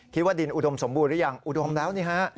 คิดว่าดินอุดมสมบูรณหรือยังอุดมแล้วนี่ฮะ